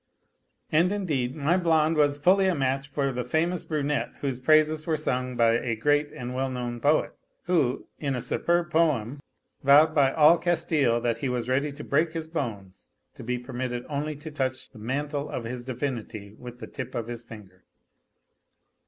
And, indeed, my blonde was fully a match for the famous brunette whose praises were sung by a great and well known poet, who, in a superb poem, vowed by ah 1 Castille that he was ready to break his bones to be permitted only to touch the mantle of his divinity with the tip of his finger.